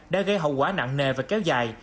đã gây hậu quả nặng nề và kéo dài